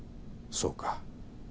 そうか。